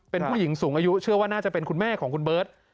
เป็นผู้หญิงสูงอายุเชื่อว่าน่าจะเป็นคุณแม่ของคุณเบิร์ต